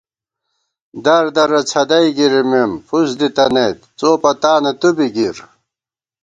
در درہ څھدَئی گِرِمېم، فُس دِتَنَئیت ، څو پتانہ تُو بی گِر